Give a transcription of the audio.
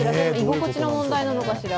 居心地の問題なのかしら？